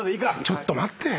ちょっと待って。